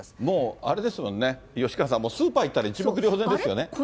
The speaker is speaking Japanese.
もうあれですもんね、吉川さん、スーパー行ったら、一目瞭然ですよね。